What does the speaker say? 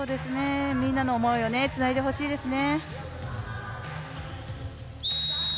みんなの思いをつないでほしいですね。